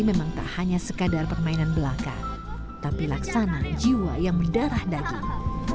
memang tak hanya sekadar permainan belaka tapi laksana jiwa yang berdarah daging